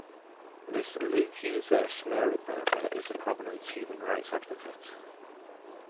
Ms Leutheusser-Schnarrenberger is a prominent human rights advocate.